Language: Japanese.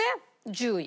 １０位。